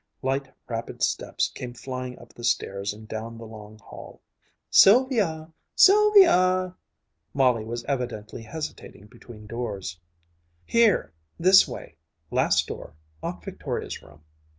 Light, rapid steps came flying up the stairs and down the long hall. "Sylvia! Sylvia!" Molly was evidently hesitating between doors. "Here this way last door Aunt Victoria's room!"